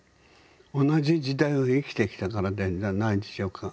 同じ時代を生きてきたからじゃないでしょうか。